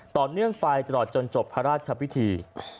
ต่อเนื่องไปตลอดจนจบพระราชพิธี